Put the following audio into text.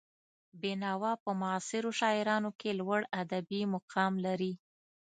بېنوا په معاصرو شاعرانو کې لوړ ادبي مقام لري.